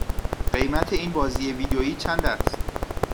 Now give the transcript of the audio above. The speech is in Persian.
قیمت این بازی ویدیویی چند است؟